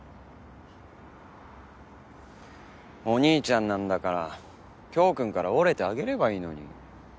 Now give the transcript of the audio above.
お兄ちゃんなんだから京くんから折れてあげればいいのに。